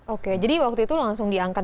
oke jadi waktu itu langsung diangkat